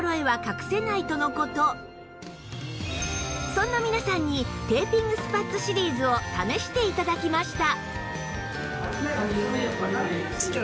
そんな皆さんにテーピングスパッツシリーズを試して頂きました